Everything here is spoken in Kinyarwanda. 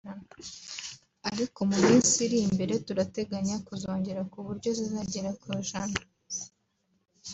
ariko mu minsi iri imbere turateganya kuzongera ku buryo zizagera ku ijana